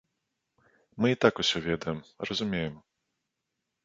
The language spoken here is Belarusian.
Мы і так усё ведаем, разумеем.